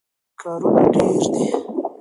کارونه ډېر دي.